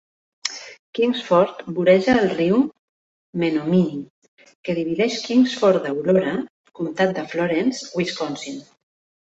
Kingsford voreja el riu Menomini que divideix Kingsford d'Aurora, comtat de Florence, Wisconsin.